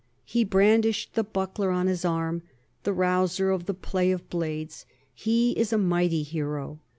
He brandished the buckler on his arm, the rouser of the play of blades he is a mighty hero.